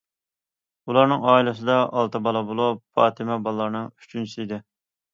ئۇلارنىڭ ئائىلىسىدە ئالتە بالا بولۇپ، پاتىمە بالىلارنىڭ ئۈچىنچىسى ئىدى.